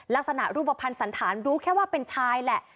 รูปภัณฑ์สันธารรู้แค่ว่าเป็นชายแหละ